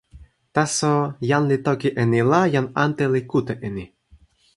taso, jan li toki e ni la, jan ante li kute e ni.